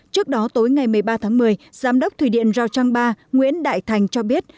trước đó tối ngày một mươi ba tháng một mươi giám đốc thủy điện rào trang ba nguyễn đại thành cho biết